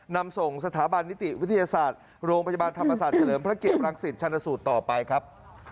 นำส่งสถาบันนิติวิทยาศาสตร์โรงพยาบาลธรรมศาสตร์เฉลิมพระเกียรังสิตชันสูตรต่อไปครับ